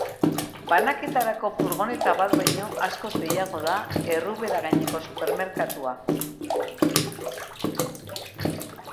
Banaketarako furgoneta bat baino askoz gehiago da, errubera gaineko supermerkatua.